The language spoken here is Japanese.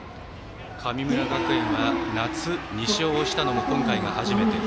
神村学園は、夏、２勝したのも今回が初めて。